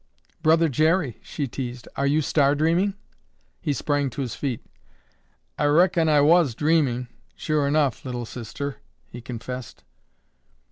"Brother Jerry," she teased, "are you star dreaming?" He sprang to his feet. "I reckon I was dreaming, sure enough, Little Sister," he confessed.